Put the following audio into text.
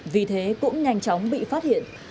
vì thế cũng nhanh chóng bị phát hiện